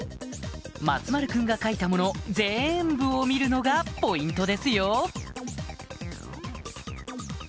松丸君が書いたものぜんぶを見るのがポイントですよ